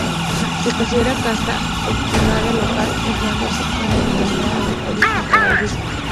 Se considera casta autóctona local, empleándose en la Denominación de Origen Calatayud.